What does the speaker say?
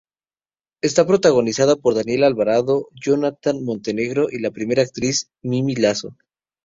Está protagonizada por Daniela Alvarado, Jonathan Montenegro y la primera actriz Mimí Lazo.